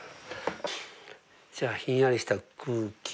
じゃあ「ひんやりした空気」